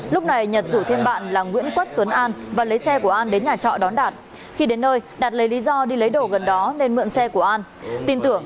lúc này nhật rủ thêm bạn là nguyễn quất tuấn an và lấy xe của an đến nhà trọ đón đạt